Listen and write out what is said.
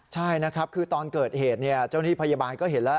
ใช่คือตอนเกิดเหตุเจ้านี้พยาบาลก็เห็นแล้ว